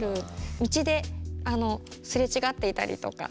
道で、すれ違っていたりとか。